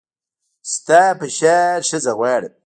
ستا په شان ښځه غواړم